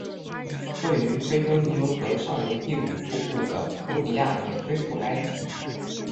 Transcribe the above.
位于非洲尼罗河上游第五瀑布的努比亚也归附埃及。